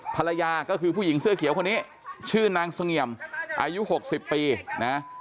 ภรรยาก็คือผู้หญิงเสื้อเขียวคนนี้ชื่อนางเสงี่ยมอายุ๖๐ปีนะ